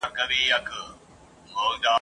له هر نوي کفن کښه ګیله من یو !.